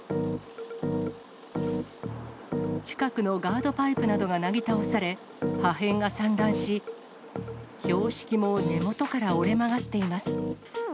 近くのガードパイプなどがなぎ倒され、破片が散乱し、標識も根元から折れ曲がっています。